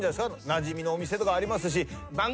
なじみのお店とかありますし。